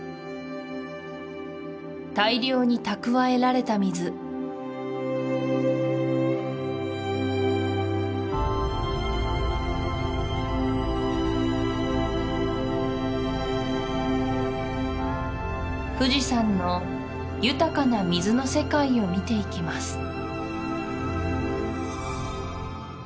大量に蓄えられた水富士山の豊かな水の世界を見ていきます